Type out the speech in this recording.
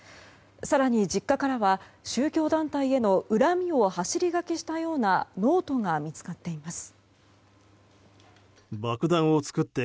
更に実家からは宗教団体への恨みを走り書きしたようなノートが見つかっています。